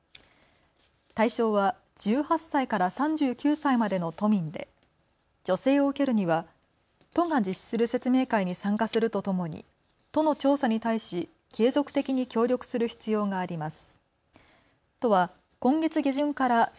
対象は１８歳から３９歳までの都民で助成を受けるには都が実施する説明会に参加するとともに都の調査に対し継続的に協力する必要があります。